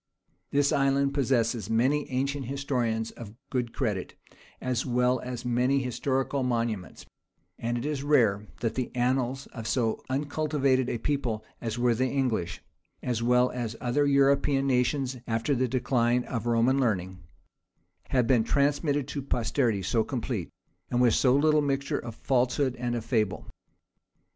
This island possesses many ancient historians of good credit, as well as many historical monuments; and it is rare, that the annals of so uncultivated a people as were the English, as well as the other European nations after the decline of Roman learning, have been transmitted to posterity so complete, and with so little mixture of falsehood and of fable.